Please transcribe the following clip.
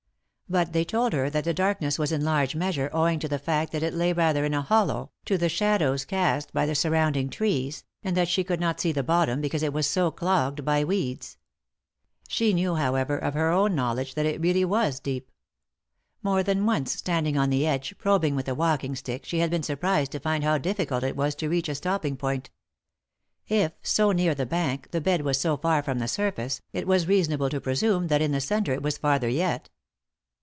But they told her that the darkness was in large measure owing to the fact that it lay rather in a hollow, to the shadows cast by the surrounding trees, and that she could not see the bottom because it was so clogged by weeds. She knew, however, of her own know ledge, that it really was deep. More than once, stand ing on the edge, probing with a walking stick, she had 1 60 3i 9 iii^d by Google THE INTERRUPTED KISS been surprised to find how difficult it was to reach a stopping point. If, so near the bank, the bed was so far from the surface, it was reasonable to presume that in the centre it was farther yet.